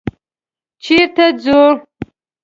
_چېرته ځو؟